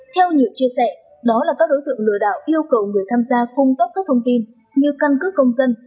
theo nhiều chia sẻ đó là các đối tượng lừa đảo yêu cầu người tham gia cung tóc các thông tin như căn cước công dân